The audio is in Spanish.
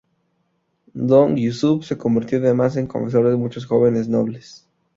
Don Giuseppe se convirtió además en confesor de muchos jóvenes nobles.